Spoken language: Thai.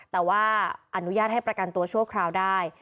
แต่ว่าอนุญาตให้ประกันตัวชั่วคราวได้